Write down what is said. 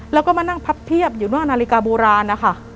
แล้วก็มานั่งพับเพียบอยู่นอกนาฬิกาโบราณนะคะ